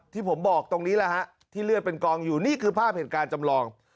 ที่ผมบอกตรงนี้แหละฮะที่เลือดเป็นกองอยู่นี่คือภาพเหตุการณ์จำลอง